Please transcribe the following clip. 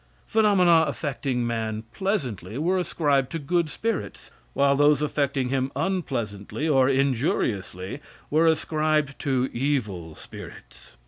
Phenomena affecting man pleasantly were ascribed to good spirits, while those affecting him unpleasantly or injuriously, were ascribed to evil spirits.